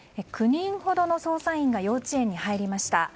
９人ほどの捜査員が幼稚園に入りました。